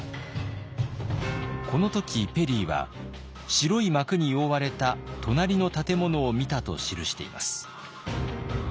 この時ペリーは白い幕に覆われた隣の建物を見たと記しています。